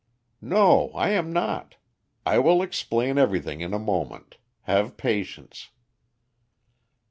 "No, I am not. I will explain everything in a moment. Have patience."